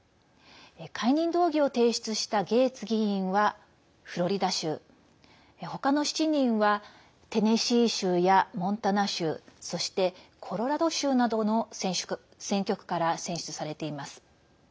解任動議を提出したゲーツ議員はフロリダ州他の７人はテネシー州やモンタナ州そしてコロラド州などの選挙区から選出されています。